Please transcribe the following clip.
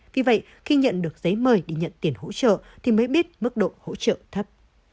vì vậy khi nhận được giấy mời để nhận tiền hỗ trợ thì mới biết mức độ hỗ trợ thấp